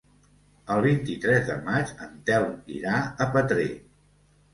El vint-i-tres de maig en Telm irà a Petrer.